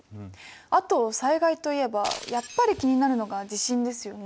あと災害といえばやっぱり気になるのが地震ですよね。